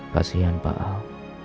pasian pak al